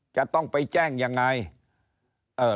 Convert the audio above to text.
จะต้องไปแจ้งยังไง